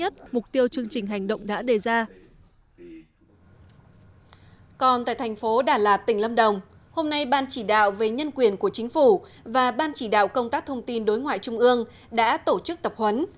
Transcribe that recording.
hôm nay ban chỉ đạo về nhân quyền của chính phủ và ban chỉ đạo công tác thông tin đối ngoại trung ương đã tổ chức tập huấn